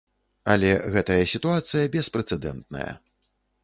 Але гэтая сітуацыя беспрэцэдэнтная.